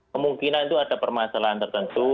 kemungkinan itu ada permasalahan tertentu